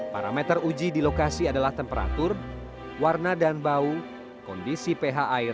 parameter uji di lokasi adalah temperatur warna dan bau kondisi ph air